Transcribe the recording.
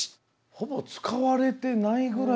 ほぼ使われてないぐらいの。